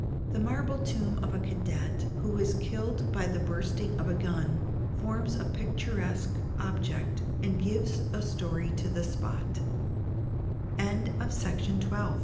The marble tomb of a cadet, who was killed by the bursting of a gun, forms a picturesque object, and gives a story to th